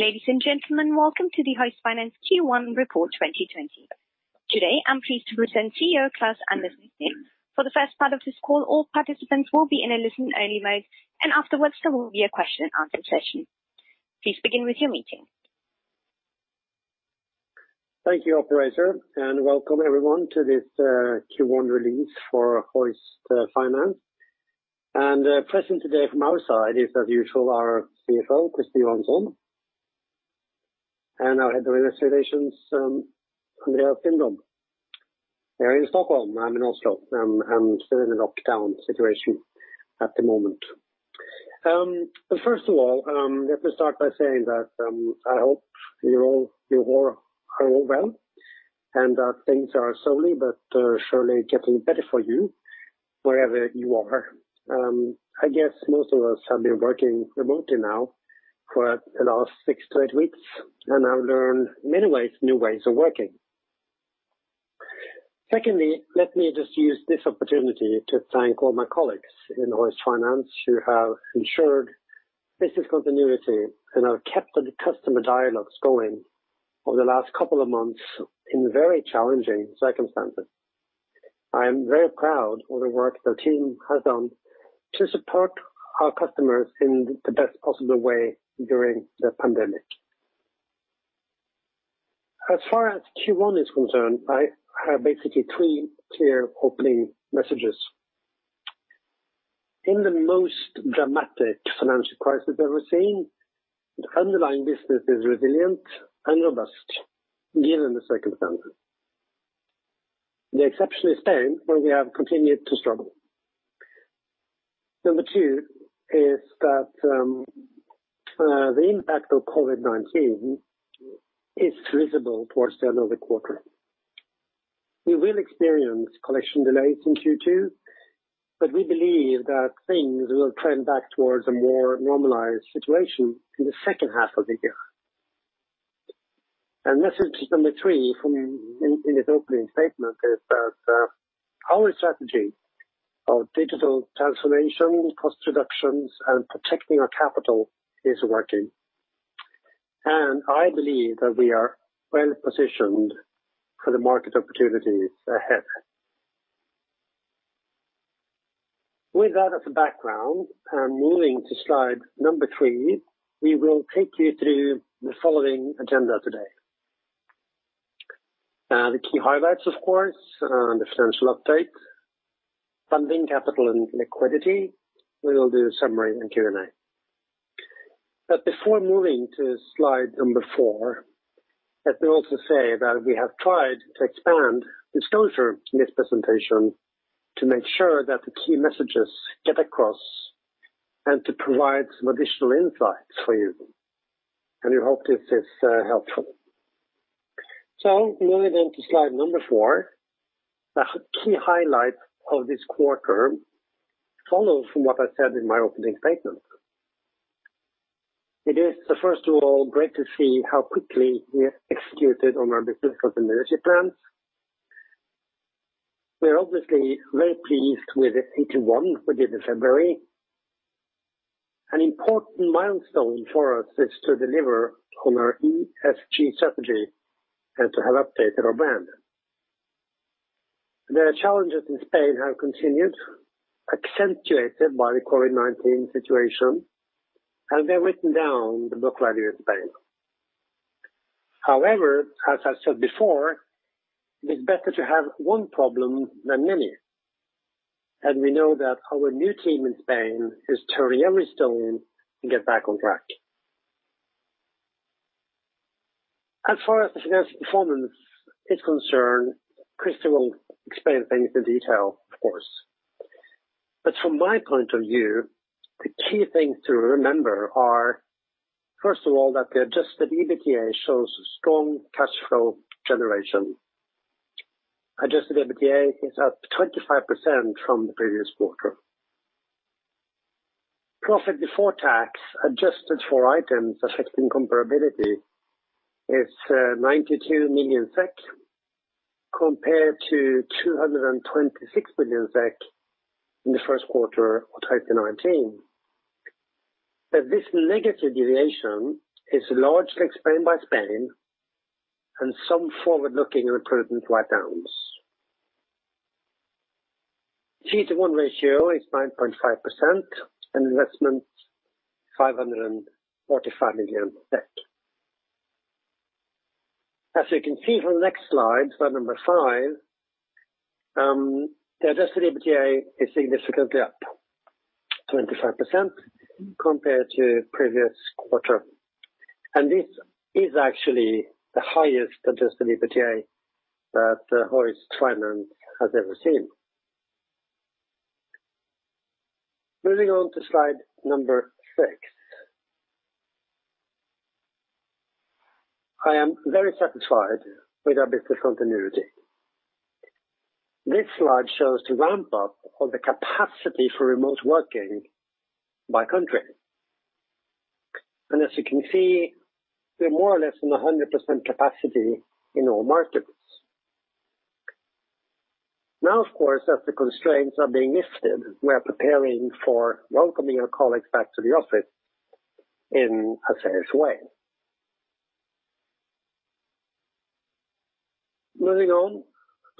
Ladies and gentlemen, welcome to the Hoist Finance Q1 Report 2020. Today, I'm pleased to present CEO Klaus-Anders Nysteen. For the first part of this call, all participants will be in a listen only mode. Afterwards, there will be a question and answer session. Please begin with your meeting. Thank you, operator, welcome everyone to this Q1 release for Hoist Finance. Present today from our side is, as usual, our CFO, Christer Johansson, and our Head of Investor Relations, Andreas Lindblom. They're in Stockholm, I'm in Oslo, and still in a lockdown situation at the moment. First of all, let me start by saying that I hope you are all well, and that things are slowly but surely getting better for you wherever you are. I guess most of us have been working remotely now for the last six to eight weeks, and have learned many ways, new ways of working. Secondly, let me just use this opportunity to thank all my colleagues in Hoist Finance who have ensured business continuity and have kept the customer dialogues going over the last couple of months in very challenging circumstances. I am very proud of the work the team has done to support our customers in the best possible way during the pandemic. As far as Q1 is concerned, I have basically three clear opening messages. In the most dramatic financial crisis ever seen, the underlying business is resilient and robust given the circumstances. The exception is Spain, where we have continued to struggle. Number two is that the impact of COVID-19 is visible towards the end of the quarter. We will experience collection delays in Q2, but we believe that things will trend back towards a more normalized situation in the second half of the year. Message number three in this opening statement is that our strategy of digital transformation, cost reductions, and protecting our capital is working. I believe that we are well-positioned for the market opportunities ahead. With that as a background and moving to slide number three, we will take you through the following agenda today. The key highlights, of course, and the financial update. Funding capital and liquidity. We will do a summary and Q&A. Before moving to slide number four, let me also say that we have tried to expand disclosure in this presentation to make sure that the key messages get across, and to provide some additional insights for you. We hope this is helpful. Moving on to slide number four, the key highlights of this quarter follow from what I said in my opening statement. It is, first of all, great to see how quickly we executed on our business continuity plans. We are obviously very pleased with AT1 we did in February. An important milestone for us is to deliver on our ESG strategy and to have updated our brand. The challenges in Spain have continued, accentuated by the COVID-19 situation, We have written down the book value in Spain. However, as I've said before, it's better to have one problem than many. We know that our new team in Spain is turning every stone to get back on track. As far as financial performance is concerned, Christer will explain things in detail, of course. From my point of view, the key things to remember are, first of all, that the adjusted EBITDA shows strong cash flow generation. Adjusted EBITDA is up 25% from the previous quarter. Profit before tax, adjusted for items affecting comparability, is 92 million SEK, compared to 226 million SEK in the first quarter of 2019. This negative deviation is largely explained by Spain and some forward-looking recruitment write downs. CET1 ratio is 9.5%. Investments SEK 545 million. As you can see from the next slide number five, the adjusted EBITDA is significantly up 25% compared to previous quarter. This is actually the highest adjusted EBITDA that Hoist Finance has ever seen. Moving on to slide number six. I am very satisfied with our business continuity. This slide shows the ramp-up of the capacity for remote working by country. As you can see, we are more or less in 100% capacity in all markets. Now, of course, as the constraints are being lifted, we are preparing for welcoming our colleagues back to the office in a safe way. Moving on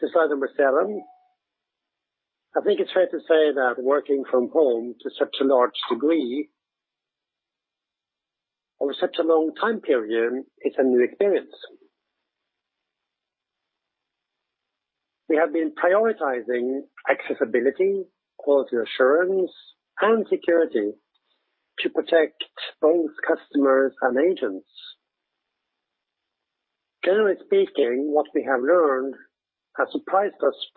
to slide number seven. I think it's fair to say that working from home to such a large degree over such a long time period is a new experience. We have been prioritizing accessibility, quality assurance, and security to protect both customers and agents. Generally speaking, what we have learned has surprised us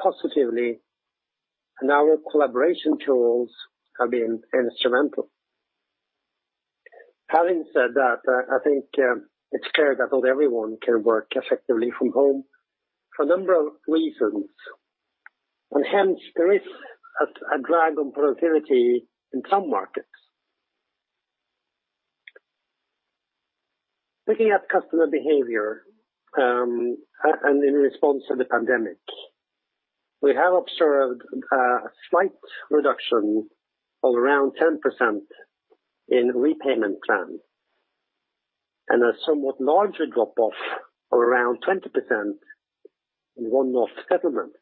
positively, and our collaboration tools have been instrumental. Having said that, I think it's clear that not everyone can work effectively from home for a number of reasons, and hence there is a drag on productivity in some markets. Looking at customer behavior, and in response to the pandemic, we have observed a slight reduction of around 10% in repayment plan, and a somewhat larger drop-off of around 20% in one-off settlements.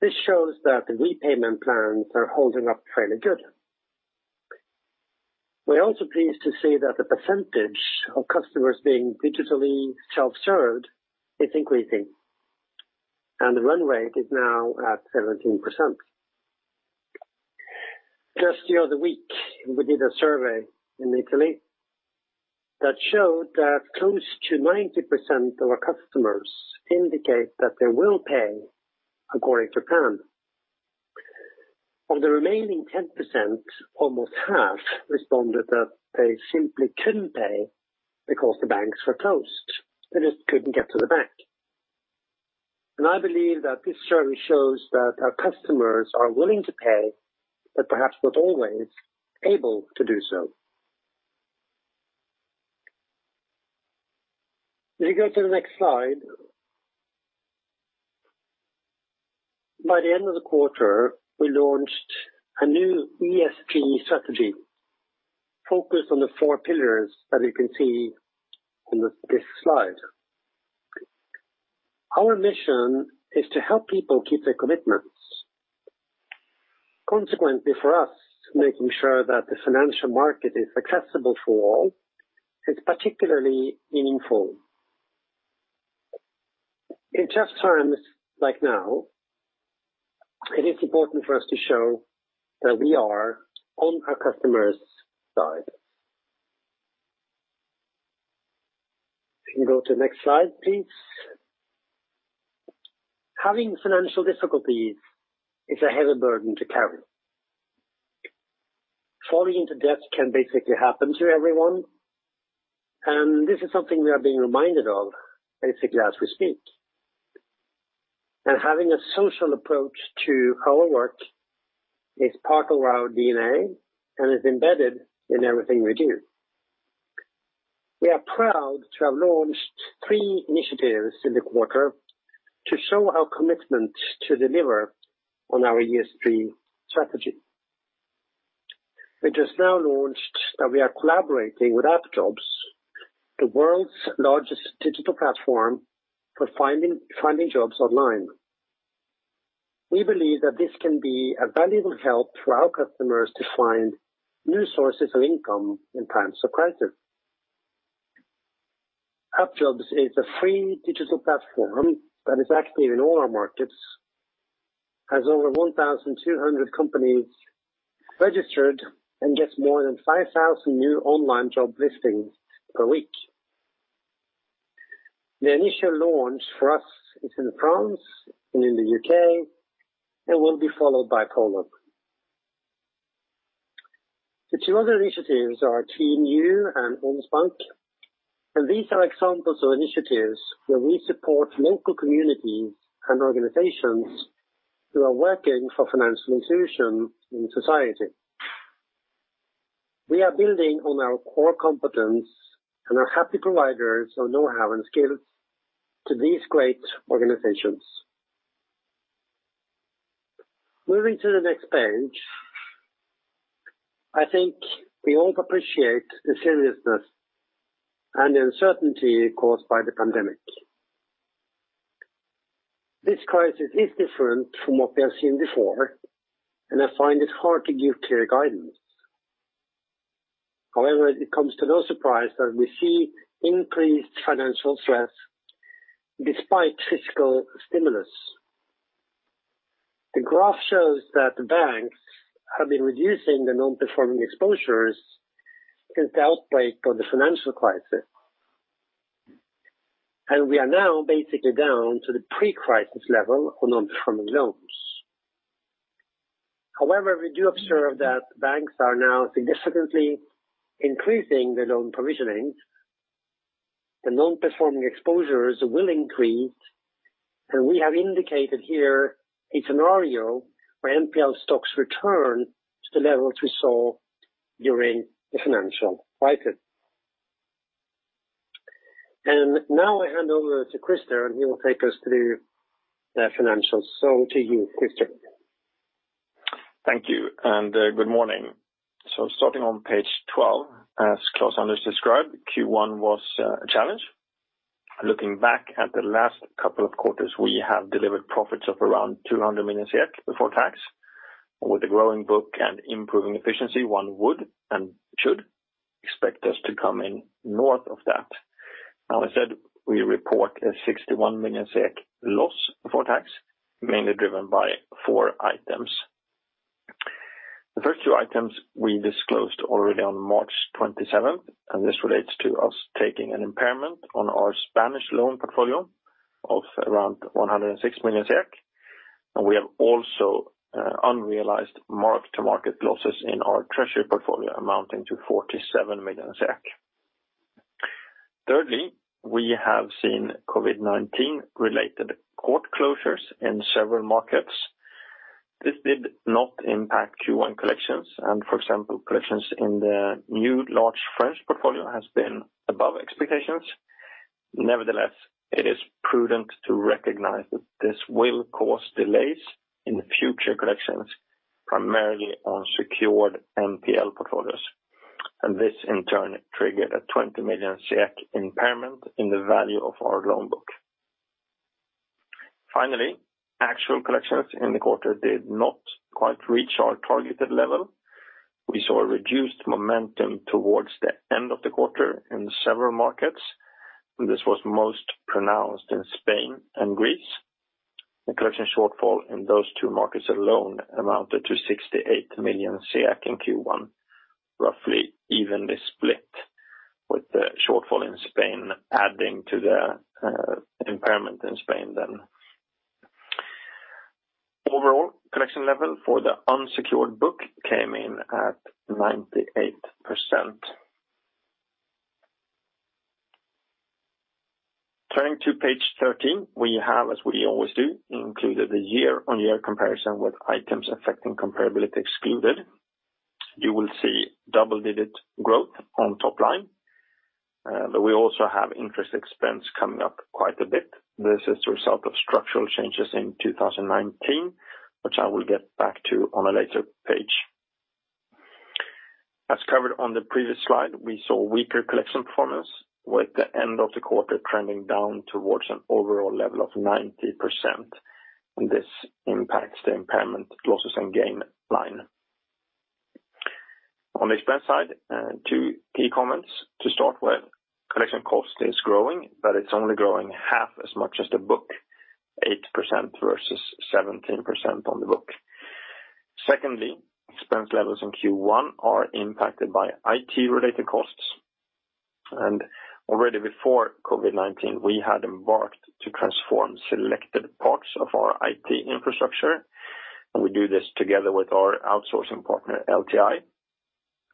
This shows that the repayment plans are holding up fairly good. We are also pleased to see that the percentage of customers being digitally self-served is increasing, and the run rate is now at 17%. Just the other week, we did a survey in Italy that showed that close to 90% of our customers indicate that they will pay according to plan. Of the remaining 10%, almost half responded that they simply couldn't pay because the banks were closed. They just couldn't get to the bank. I believe that this survey shows that our customers are willing to pay, but perhaps not always able to do so. Can you go to the next slide? By the end of the quarter, we launched a new ESG strategy focused on the four pillars that you can see on this slide. Our mission is to help people keep their commitments. Consequently, for us, making sure that the financial market is accessible for all is particularly meaningful. In tough times like now, it is important for us to show that we are on our customers' side. You can go to the next slide, please. Having financial difficulties is a heavy burden to carry. Falling into debt can basically happen to everyone, and this is something we are being reminded of basically as we speak. Having a social approach to our work is part of our DNA and is embedded in everything we do. We are proud to have launched three initiatives in the quarter to show our commitment to deliver on our ESG strategy. It is now launched that we are collaborating with AppJobs, the world's largest digital platform for finding jobs online. We believe that this can be a valuable help to our customers to find new sources of income in times of crisis. AppJobs is a free digital platform that is active in all our markets, has over 1,200 companies registered, and gets more than 5,000 new online job listings per week. The initial launch for us is in France and in the U.K., and will be followed by Poland. The two other initiatives are TEAM U and ONSbank, and these are examples of initiatives where we support local communities and organizations who are working for financial inclusion in society. We are building on our core competence and are happy providers of know-how and skills to these great organizations. Moving to the next page. I think we all appreciate the seriousness and the uncertainty caused by the pandemic. This crisis is different from what we have seen before, and I find it hard to give clear guidance. However, it comes to no surprise that we see increased financial stress despite fiscal stimulus. The graph shows that the banks have been reducing the non-performing exposures since the outbreak of the financial crisis. We are now basically down to the pre-crisis level of non-performing loans. However, we do observe that banks are now significantly increasing their loan provisionings. The non-performing exposures will increase, and we have indicated here a scenario where NPL stocks return to the levels we saw during the financial crisis. Now I hand over to Christer and he will take us through the financials. To you, Christer. Thank you. Good morning. Starting on page 12, as Klaus-Anders Nysteen described, Q1 was a challenge. Looking back at the last couple of quarters, we have delivered profits of around 200 million SEK before tax. With a growing book and improving efficiency, one would and should expect us to come in north of that. Instead, we report a 61 million SEK loss before tax, mainly driven by four items. The first two items we disclosed already on March 27th. This relates to us taking an impairment on our Spanish loan portfolio of around 106 million SEK. We have also unrealized mark-to-market losses in our treasury portfolio amounting to 47 million SEK. Thirdly, we have seen COVID-19 related court closures in several markets. This did not impact Q1 collections and, for example, collections in the new large French portfolio has been above expectations. Nevertheless, it is prudent to recognize that this will cause delays in the future collections, primarily on secured NPL portfolios. This in turn triggered a 20 million impairment in the value of our loan book. Finally, actual collections in the quarter did not quite reach our targeted level. We saw a reduced momentum towards the end of the quarter in several markets. This was most pronounced in Spain and Greece. The collection shortfall in those two markets alone amounted to 68 million in Q1, roughly evenly split, with the shortfall in Spain adding to the impairment in Spain then. Overall, collection level for the unsecured book came in at 98%. Turning to page 13, we have, as we always do, included a year-on-year comparison with items affecting comparability excluded. You will see double-digit growth on top line. We also have interest expense coming up quite a bit. This is the result of structural changes in 2019, which I will get back to on a later page. As covered on the previous slide, we saw weaker collection performance with the end of the quarter trending down towards an overall level of 90%, and this impacts the impairment losses and gain line. On the expense side, two key comments to start with. Collection cost is growing, but it's only growing half as much as the book, 8% versus 17% on the book. Secondly, expense levels in Q1 are impacted by IT related costs. Already before COVID-19, we had embarked to transform selected parts of our IT infrastructure, and we do this together with our outsourcing partner, LTI.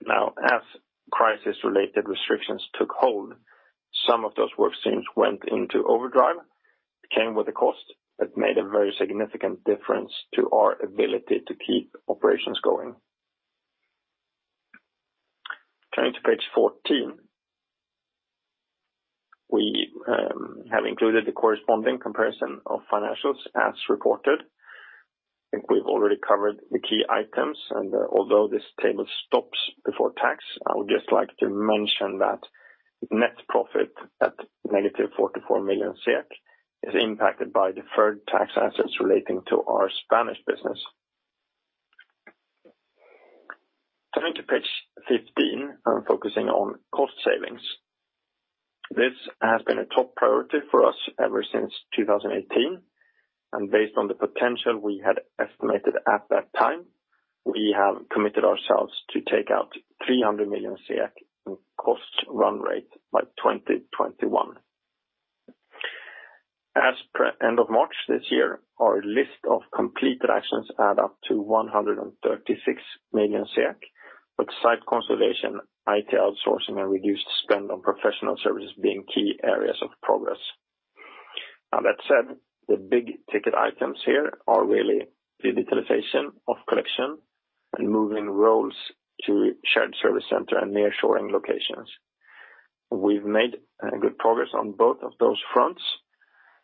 Now, as crisis related restrictions took hold, some of those work streams went into overdrive. It came with a cost that made a very significant difference to our ability to keep operations going. Turning to page 14, we have included the corresponding comparison of financials as reported. I think we've already covered the key items, and although this table stops before tax, I would just like to mention that net profit at negative 44 million SEK is impacted by deferred tax assets relating to our Spanish business. Turning to page 15, I'm focusing on cost savings. This has been a top priority for us ever since 2018, and based on the potential we had estimated at that time, we have committed ourselves to take out 300 million in cost run rate by 2021. As per end of March this year, our list of completed actions add up to 136 million SEK, with site consolidation, IT outsourcing and reduced spend on professional services being key areas of progress. That said, the big ticket items here are really digitalization of collection and moving roles to shared service center and nearshoring locations. We've made good progress on both of those fronts,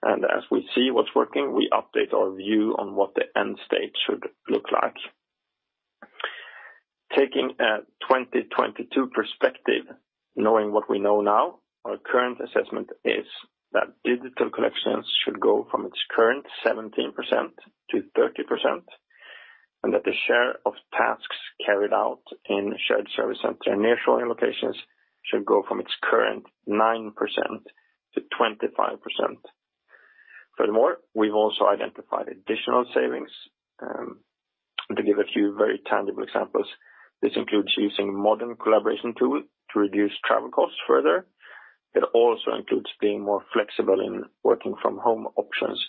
and as we see what's working, we update our view on what the end state should look like. Taking a 2022 perspective, knowing what we know now, our current assessment is that digital collections should go from its current 17% to 30%, and that the share of tasks carried out in shared service center nearshoring locations should go from its current 9% to 25%. We've also identified additional savings. To give a few very tangible examples, this includes using modern collaboration tools to reduce travel costs further. It also includes being more flexible in working from home options,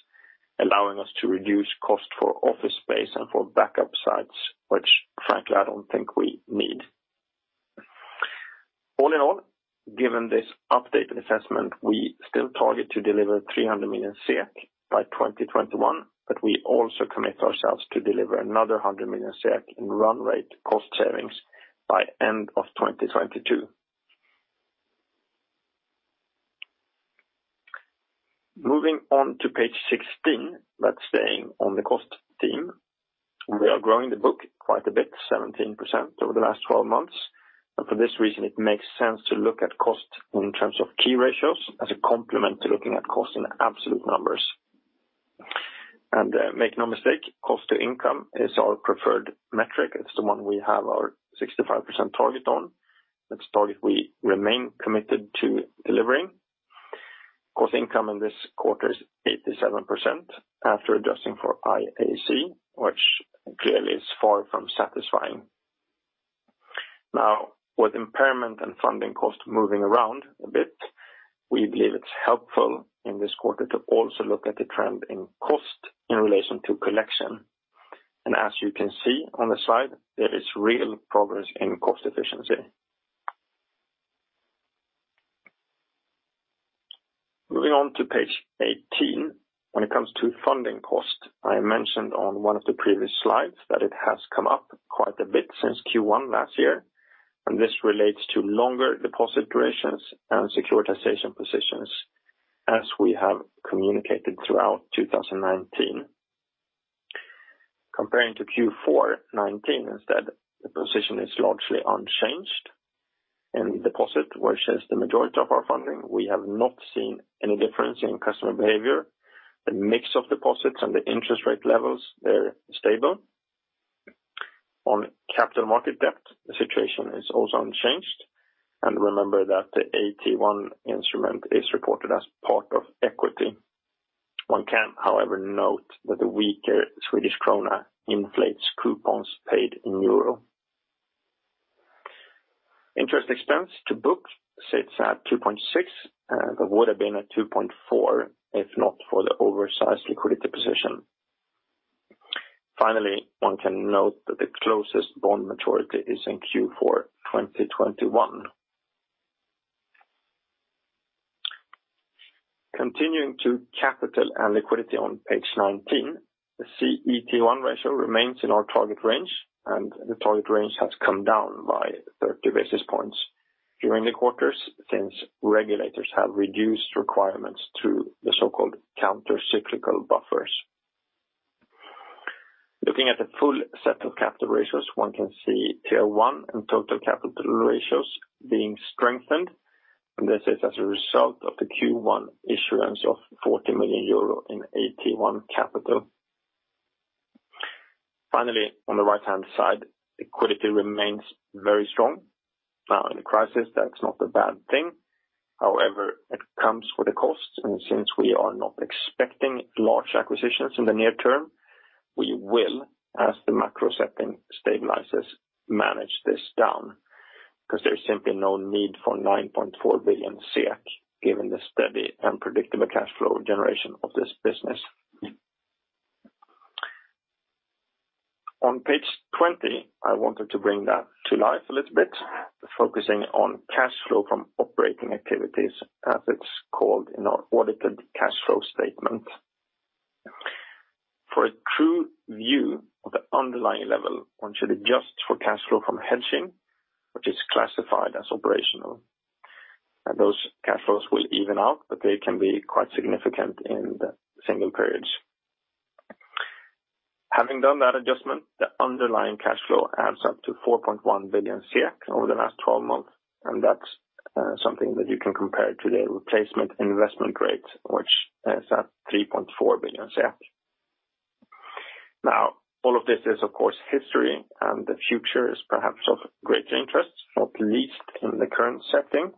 allowing us to reduce cost for office space and for backup sites, which frankly, I don't think we need. All in all, given this updated assessment, we target to deliver 300 million by 2021, but we also commit ourselves to deliver another 100 million in run rate cost savings by end of 2022. Moving on to page 16, staying on the cost theme. We are growing the book quite a bit, 17% over the last 12 months. For this reason, it makes sense to look at cost in terms of key ratios as a complement to looking at cost in absolute numbers. Make no mistake, cost to income is our preferred metric. It's the one we have our 65% target on. That's the target we remain committed to delivering. Cost to income in this quarter is 87% after adjusting for IAC, which clearly is far from satisfying. With impairment and funding cost moving around a bit, we believe it's helpful in this quarter to also look at the trend in cost in relation to collection. As you can see on the slide, there is real progress in cost efficiency. Moving on to page 18. When it comes to funding cost, I mentioned on one of the previous slides that it has come up quite a bit since Q1 last year, and this relates to longer deposit durations and securitization positions as we have communicated throuuhout 2019. Comparing to Q4 2019 instead, the position is largely unchanged. In deposit, which is the majority of our funding, we have not seen any difference in customer behavior. The mix of deposits and the interest rate levels, they're stable. On capital market debt, the situation is also unchanged. Remember that the AT1 instrument is reported as part of equity. One can, however, note that the weaker Swedish krona inflates coupons paid in euro. Interest expense to book sits at 2.6%, that would have been a 2.4% if not for the oversized liquidity position. Finally, one can note that the closest bond maturity is in Q4 2021. Continuing to capital and liquidity on page 19. The CET1 ratio remains in our target range, the target range has come down by 30 basis points during the quarters since regulators have reduced requirements through the so-called counter-cyclical buffers. Looking at the full set of capital ratios, one can see Tier 1 and total capital ratios being strengthened, and this is as a result of the Q1 issuance of 40 million euro in AT1 capital. Finally, on the right-hand side, liquidity remains very strong. In a crisis, that's not a bad thing. It comes with a cost, and since we are not expecting large acquisitions in the near term, we will, as the macro setting stabilizes, manage this down because there's simply no need for 9.4 billion SEK given the steady and predictable cash flow generation of this business. On page 20, I wanted to bring that to life a little bit, focusing on cash flow from operating activities, as it's called in our audited cash flow statement. For a true view of the underlying level, one should adjust for cash flow from hedging, which is classified as operational. Those cash flows will even out, but they can be quite significant in the single periods. Having done that adjustment, the underlying cash flow adds up to 4.1 billion over the last 12 months, and that's something that you can compare to the replacement investment rate, which is at 3.4 billion. Now, all of this is, of course, history, and the future is perhaps of great interest, not least in the current setting.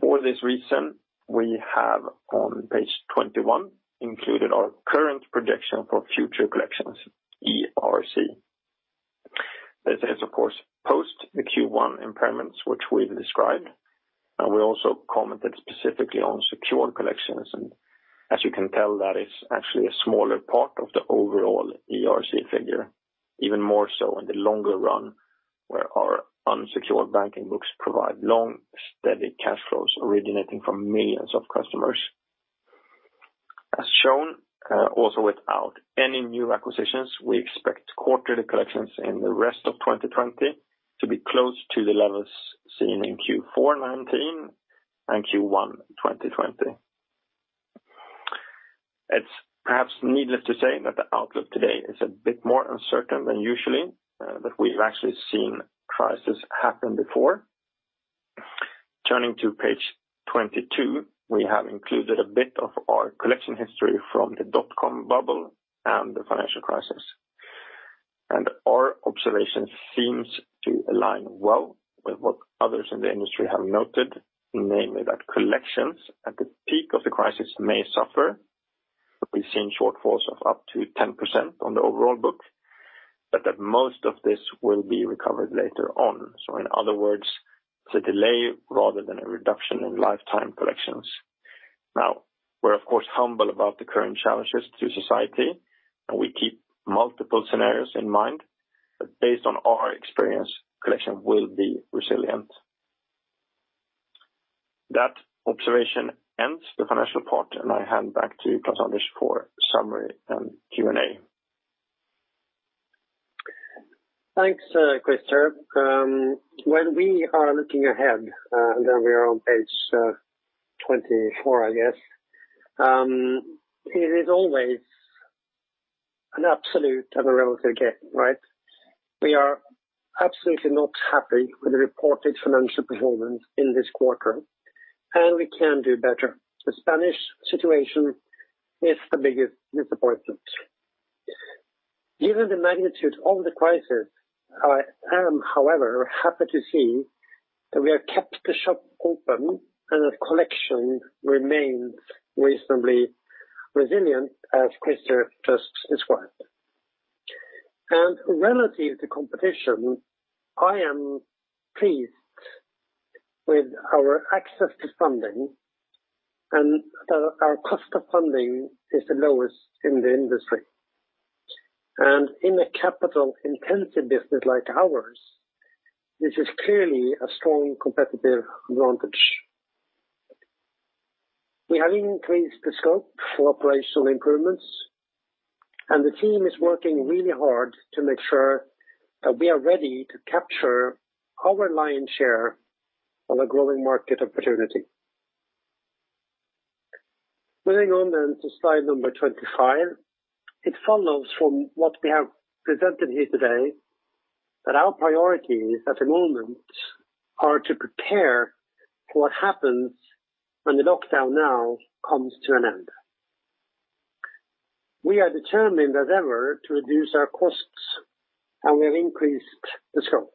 For this reason, we have on page 21 included our current projection for future collections, ERC. This is, of course, post the Q1 impairments which we've described, and we also commented specifically on secured collections and as you can tell, that is actually a smaller part of the overall ERC figure, even more so in the longer run, where our unsecured banking books provide long, steady cash flows originating from millions of customers. As shown, also without any new acquisitions, we expect quarterly collections in the rest of 2020 to be close to the levels seen in Q4 2019 and Q1 2020. It's perhaps needless to say that the outlook today is a bit more uncertain than usually, but we've actually seen crisis happen before. Turning to page 22, we have included a bit of our collection history from the dotcom bubble and the financial crisis. Our observation seems to align well with what others in the industry have noted, namely that collections at the peak of the crisis may suffer. We've seen shortfalls of up to 10% on the overall book, but that most of this will be recovered later on. In other words, it's a delay rather than a reduction in lifetime collections. Now, we're of course humble about the current challenges to society, and we keep multiple scenarios in mind. Based on our experience, collection will be resilient. That observation ends the financial part, and I hand back to Klaus Anders for summary and Q&A. Thanks, Christer. When we are looking ahead, we are on page 24, I guess. It is always an absolute and a relative game, right? We are absolutely not happy with the reported financial performance in this quarter. We can do better. The Spanish situation is the biggest disappointment. Given the magnitude of the crisis, I am, however, happy to see that we have kept the shop open and that collection remains reasonably resilient as Christer just described. Relative to competition, I am pleased with our access to funding and our cost of funding is the lowest in the industry. In a capital-intensive business like ours, this is clearly a strong competitive advantage. We have increased the scope for operational improvements. The team is working really hard to make sure that we are ready to capture our lion share of a growing market opportunity. Moving on to slide 25. It follows from what we have presented here today that our priorities at the moment are to prepare for what happens when the lockdown now comes to an end. We are determined as ever to reduce our costs, we have increased the scope.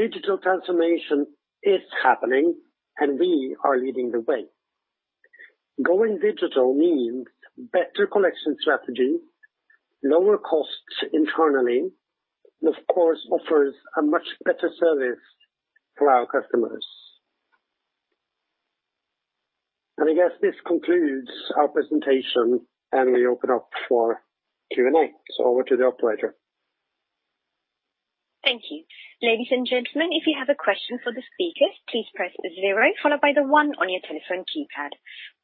The digital transformation is happening and we are leading the way. Going digital means better collection strategy, lower costs internally, and of course, offers a much better service for our customers. I guess this concludes our presentation, and we open up for Q&A. Over to the operator. Thank you. Ladies and gentlemen, if you have a question for the speakers, please press zero followed by the one on your telephone keypad.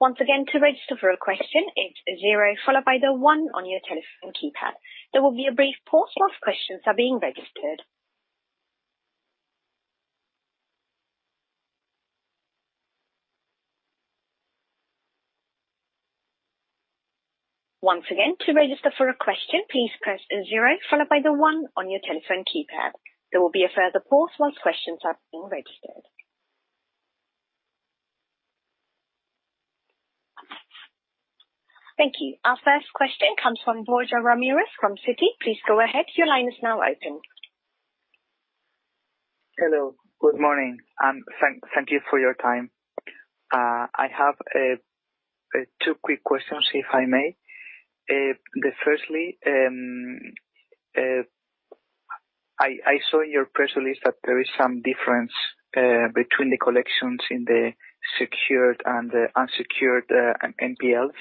Once again, to register for a question, it's zero followed by the one on your telephone keypad. There will be a brief pause while questions are being registered. Once again, to register for a question, please press zero followed by the one on your telephone keypad. There will be a further pause while questions are being registered. Thank you. Our first question comes from Borja Ramirez from Citi. Please go ahead. Your line is now open. Hello. Good morning, and thank you for your time. I have two quick questions, if I may. Firstly, I saw in your press release that there is some difference between the collections in the secured and the unsecured NPLs.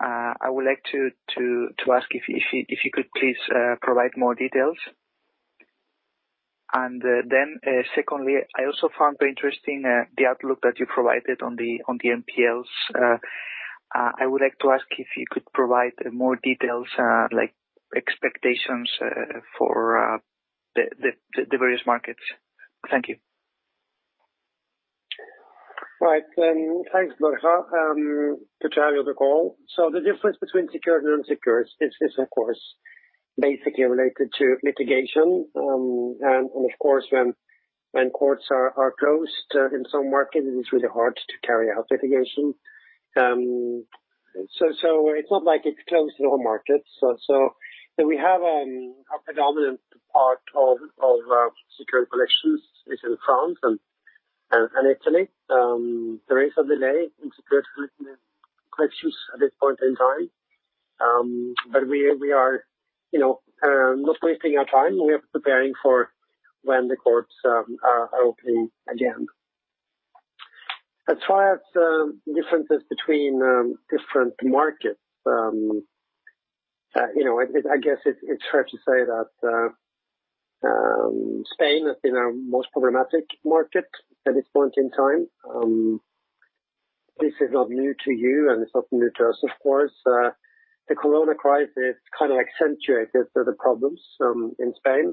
I would like to ask if you could please provide more details. Secondly, I also found interesting the outlook that you provided on the NPLs. I would like to ask if you could provide more details like expectations for the various markets. Thank you. Thanks, Borja. Good to have you on the call. The difference between secured and unsecured is of course basically related to litigation. Of course, when courts are closed in some markets, it is really hard to carry out litigation. It's not like it's closed in all markets. We have a predominant part of secured collections is in France and Italy. There is a delay in secured collections at this point in time. We are not wasting our time. We are preparing for when the courts are open again. As far as differences between different markets, I guess it's fair to say that Spain has been our most problematic market at this point in time. This is not new to you, and it's not new to us, of course. The Corona crisis kind of accentuated further problems in Spain.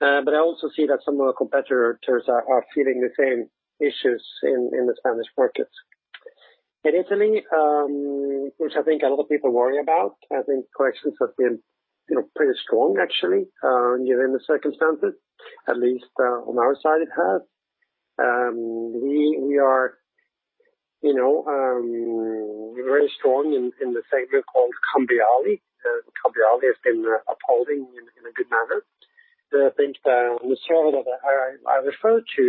I also see that some of our competitors are feeling the same issues in the Spanish markets. In Italy, which I think a lot of people worry about, I think collections have been pretty strong, actually given the circumstances, at least on our side, it has. We are very strong in the segment called cambiali. Cambiali has been upholding in a good manner. I think the strength that I refer to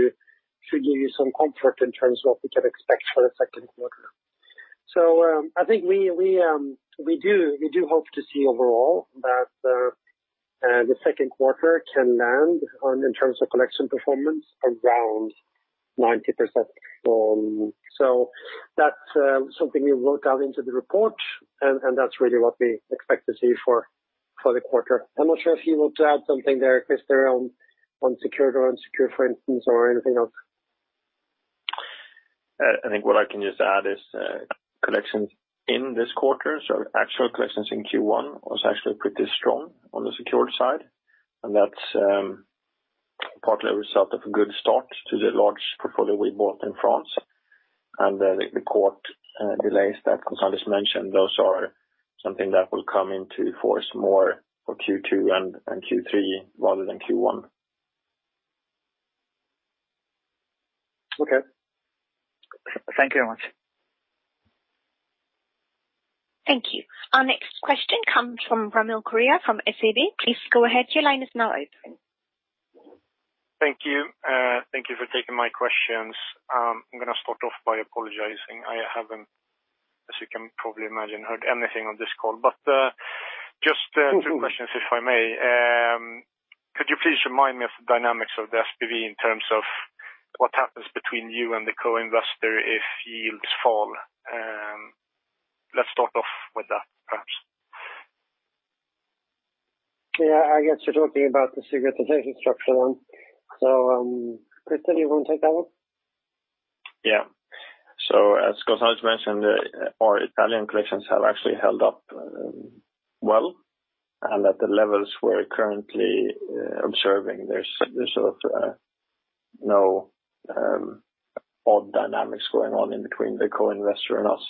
should give you some comfort in terms of what you can expect for the second quarter. I think we do hope to see overall that the second quarter can land on in terms of collection performance around 90%. That's something we wrote down into the report, and that's really what we expect to see for the quarter. I'm not sure if you want to add something there, Christer, on secured or unsecured, for instance, or anything else. I think what I can just add is collections in this quarter. Actual collections in Q1 was actually pretty strong on the secured side, and that's partly a result of a good start to the large portfolio we bought in France. The court delays that Klaus-Anders Nysteen mentioned, those are something that will come into force more for Q2 and Q3 rather than Q1. Okay. Thank you very much. Thank you. Our next question comes from Ramil Koria from SEB. Please go ahead. Your line is now open. Thank you. Thank you for taking my questions. I'm going to start off by apologizing. I haven't, as you can probably imagine, heard anything on this call, but just two questions, if I may. Could you please remind me of the dynamics of the SPV in terms of what happens between you and the co-investor if yields fall? Let's start off with that, perhaps. Yeah, I guess you're talking about the securitization structure then. Christer, you want to take that one? Yeah. As Klaus-Anders Nysteen mentioned, our Italian collections have actually held up well, and at the levels we're currently observing, there's no odd dynamics going on in between the co-investor and us.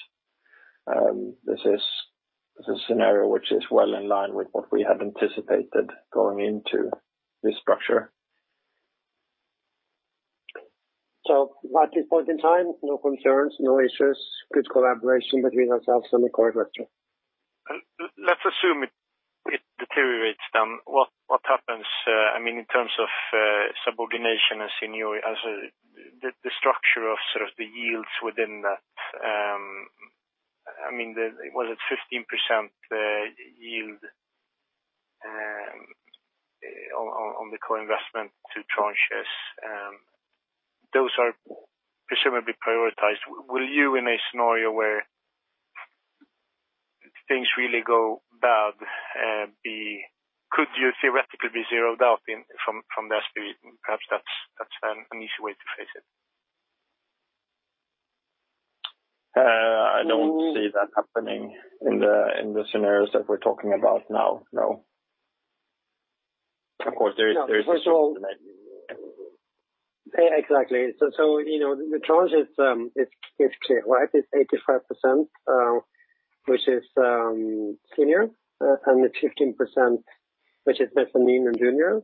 This is a scenario which is well in line with what we had anticipated going into this structure. At this point in time, no concerns, no issues, good collaboration between ourselves and the co-investor. Let's assume it deteriorates then. What happens in terms of subordination and seniority as the structure of sort of the yields within that, was it 15% yield on the co-investment two tranches? Those are presumably prioritized. Will you, in a scenario where things really go bad, could you theoretically be zeroed out from the SPV? Perhaps that's an easy way to face it. I don't see that happening in the scenarios that we're talking about now, no. Exactly. The tranche is clear. It's 85%, which is senior, and it's 15%, which is mezzanine or junior.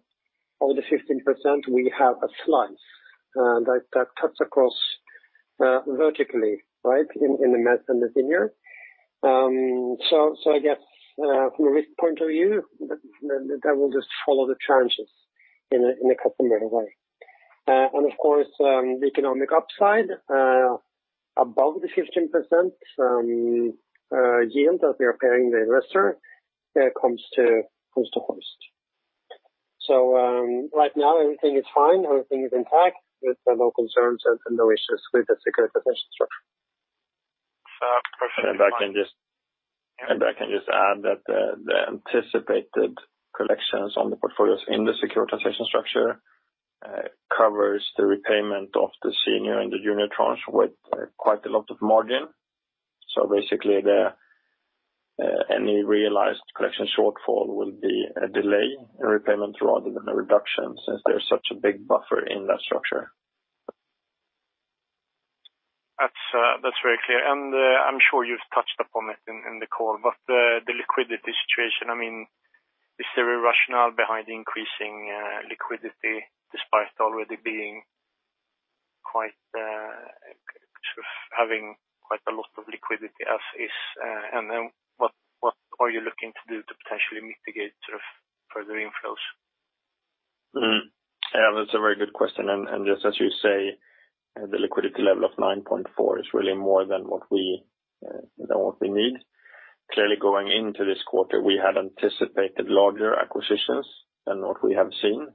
Of the 15%, we have a slice that cuts across vertically in the mezz and the senior. I guess from a risk point of view, that will just follow the tranches in a customary way. Of course, the economic upside above the 15% yield that we are paying the investor comes to Hoist. Right now everything is fine, everything is intact with no concerns and no issues with the securitization structure. Perfect. I can just add that the anticipated collections on the portfolios in the securitization structure covers the repayment of the senior and the unitranche with quite a lot of margin. Basically, any realized collection shortfall will be a delay in repayment rather than a reduction, since there's such a big buffer in that structure. That's very clear. I'm sure you've touched upon it in the call, but the liquidity situation, is there a rationale behind increasing liquidity despite already having quite a lot of liquidity as is? What are you looking to do to potentially mitigate further inflows? That's a very good question. Just as you say, the liquidity level of 9.4 is really more than what we need. Clearly, going into this quarter, we had anticipated larger acquisitions than what we have seen,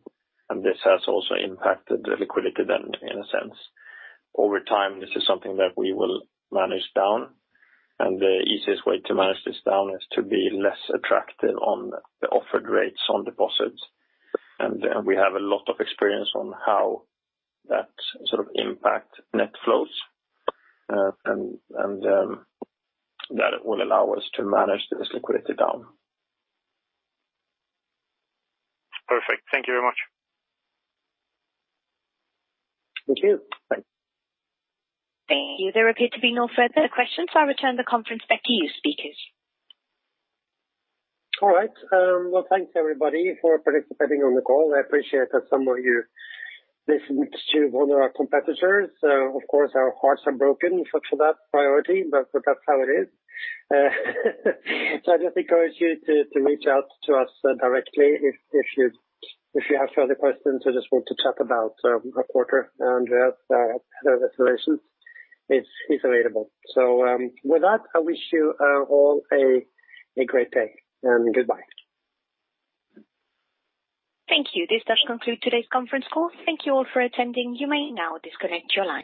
and this has also impacted the liquidity then, in a sense. Over time, this is something that we will manage down, and the easiest way to manage this down is to be less attractive on the offered rates on deposits. We have a lot of experience on how that sort of impact net flows, and that will allow us to manage this liquidity down. Perfect. Thank you very much. Thank you. Bye. Thank you. There appear to be no further questions, I return the conference back to you, speakers. All right. Well, thanks everybody for participating on the call. I appreciate that some of you listened to one of our competitors. Of course, our hearts are broken for that priority, but that's how it is. I just encourage you to reach out to us directly if you have further questions or just want to chat about our quarter. Andreas, Head of Relations, is available. With that, I wish you all a great day, and goodbye. Thank you. This does conclude today's conference call. Thank you all for attending. You may now disconnect your line.